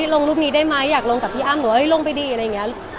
ลงรูปนี้ได้ไหมอยากลงกับพี่อ้ำหรือว่าลงไปดีอะไรอย่างนี้